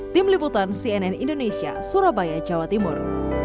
tim liputan cnn indonesia surabaya jawa timur